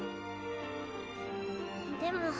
でも。